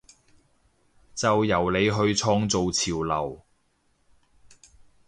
就由你去創造潮流！